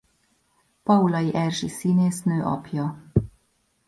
Paulay Erzsi színésznő apja.